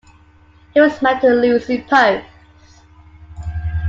He was married to Lucy Post.